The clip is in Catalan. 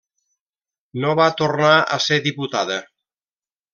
No va tornar a ser diputada.